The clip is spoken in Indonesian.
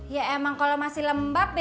ya emang kalo masih lembab bebas